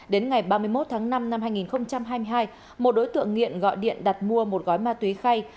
đến ngày ba mươi một tháng năm năm hai nghìn hai mươi hai một đối tượng nghiện gọi điện đặt mua một gói ma túy khay